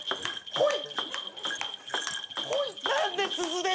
ほい。